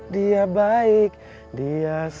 dia baik dia soleha